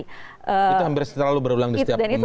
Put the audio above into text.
itu hampir selalu berulang di setiap pemilu